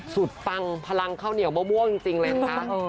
สุดปังพลังข้าวเหนียวบ้วบ้วงจริงเลยนะท่าน